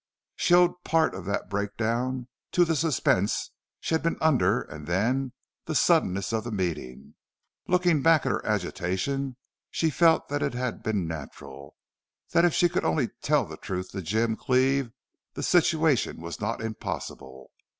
She owed part of that breakdown to the suspense she had been under and then the suddenness of the meeting. Looking back at her agitation, she felt that it had been natural that if she could only tell the truth to Jim Cleve the situation was not impossible.